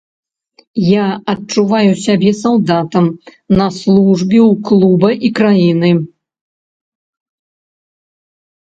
Я адчуваю сябе салдатам на службе ў клуба і краіны.